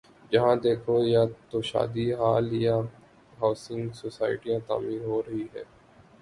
جہاں دیکھو یا تو شادی ہال یا ہاؤسنگ سوسائٹیاں تعمیر ہو رہی ہیں۔